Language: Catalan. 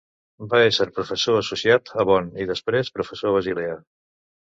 Va ésser professor associat a Bonn, i després professor a Basilea.